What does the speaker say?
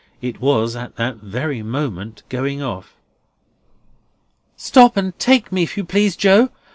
It was, at that very moment, going off. "Stop and take me, if you please, Joe.